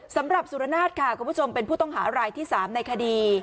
สำหรับสุรนาศค่ะคุณผู้ชมเป็นผู้ต้องหารายที่๓ในคดี